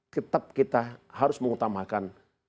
tetap kita harus mengutamakan